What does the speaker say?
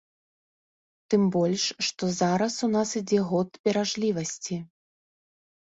Тым больш, што зараз у нас ідзе год беражлівасці.